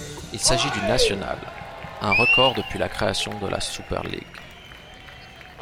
Il s'agit du national, un record depuis la création de la Süper Lig.